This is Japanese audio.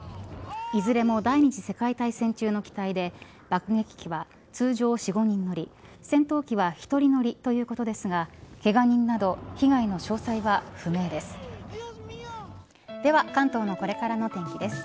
いずれも第２次世界大戦中の機体で爆撃機は通常４、５人乗り戦闘機は１人乗りということですがけが人など被害の詳細は不明です。